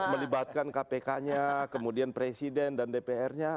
melibatkan kpk nya kemudian presiden dan dpr nya